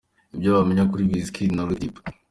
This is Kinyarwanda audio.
Ibyo wamenya kuri Wizkid na Liquideep.